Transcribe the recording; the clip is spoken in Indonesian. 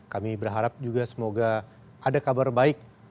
kami berharap juga semoga ada kabar baik